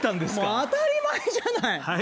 当たり前じゃないはい？